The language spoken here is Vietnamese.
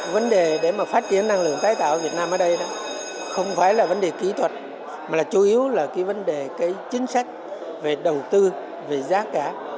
vấn đề để phát triển năng lượng tái tạo ở việt nam ở đây không phải là vấn đề kỹ thuật mà là chủ yếu là vấn đề chính sách về đầu tư về giá cả